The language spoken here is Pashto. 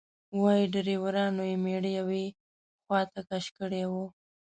وایي ډریورانو یې میړه یوې خواته کش کړی و.